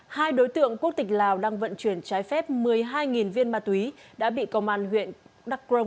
hai đối tượng quốc tịch lào đang vận chuyển trái phép một mươi hai viên ma túy đã bị công an huyện đắk rông